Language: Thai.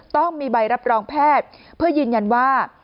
ต้องมีใบรับรองแพทย์เพื่อยืนยันว่า